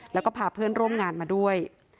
แล้วก็พาเพื่อนร่วมงานมาด้วย